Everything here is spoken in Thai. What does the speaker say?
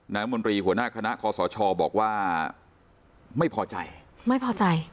มนตรีหัวหน้าคณะคอสชบอกว่าไม่พอใจไม่พอใจ